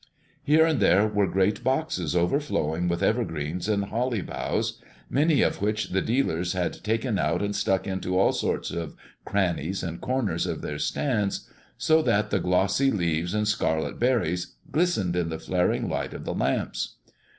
Here and there were great boxes overflowing with evergreen and holly boughs, many of which the dealers had taken out and stuck into all sorts of crannies and corners of their stands, so that the glossy leaves and scarlet berries glistened in the flaring light of the lamps.